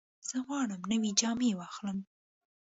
زه غواړم نوې جامې واخلم.